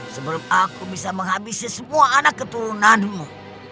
sebelum aku bisa menghabisi semua anak keturunanmu